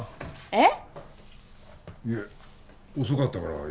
えっ？